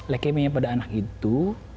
leukemia pada anak itu